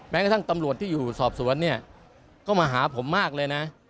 กระทั่งตำรวจที่อยู่สอบสวนเนี่ยก็มาหาผมมากเลยนะ